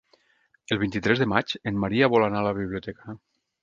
El vint-i-tres de maig en Maria vol anar a la biblioteca.